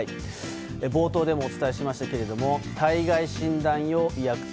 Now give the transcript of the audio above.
冒頭でもお伝えしましたが体外診断用医薬品